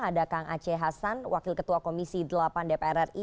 ada kang aceh hasan wakil ketua komisi delapan dpr ri